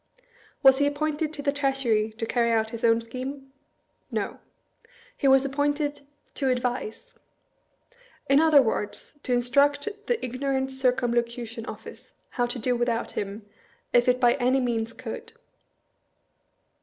Was he appointed to the Treasury to carry out his own scheme? No. He was appointed " to advise." In other words, to instruct the ignorant Circumlocution Office how to do without him, if it by any means could.